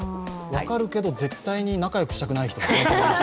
分かるけど、絶対に仲よくしたくない人。